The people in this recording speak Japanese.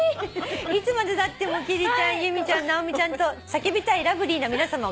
「いつまでたっても貴理ちゃん由美ちゃん直美ちゃんと叫びたいラブリーな皆さま